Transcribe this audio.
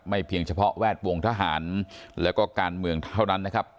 เพียงเฉพาะแวดวงทหารแล้วก็การเมืองเท่านั้นนะครับ